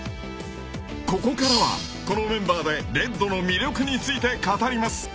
［ここからはこのメンバーで『ＲＥＤ』の魅力について語ります］